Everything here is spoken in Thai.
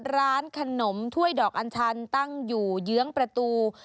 ร้านขนมถ้วยดอกอัญชันตั้งอยู่เยื้องประตู